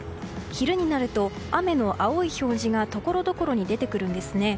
昼になると雨の青い表示が所々に出てくるんですね。